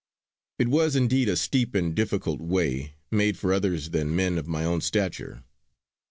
It was indeed a steep and difficult way, made for others than men of my own stature.